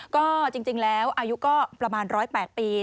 ก็จริงแล้วอายุก็ประมาณ๑๐๘ปี